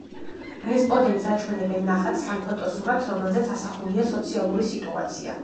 რესპონდენტს აჩვენებენ ნახატს ან ფოტოსურათს, რომელზეც ასახულია სოციალური სიტუაცია.